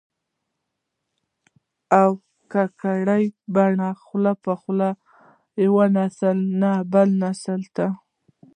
او په ګړنۍ بڼه خوله په خوله له يوه نسل نه بل نسل ته